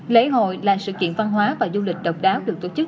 lễ hội là sự kiện văn hóa và du lịch độc đáo được tổ chức